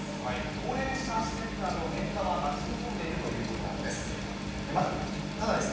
高齢者施設など、現場は待ち望んでいるということなんです。